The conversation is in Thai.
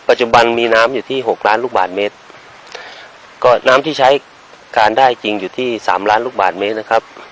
จุบันมีน้ำอยู่ที่หกล้านลูกบาทเมตรก็น้ำที่ใช้การได้จริงอยู่ที่สามล้านลูกบาทเมตรนะครับ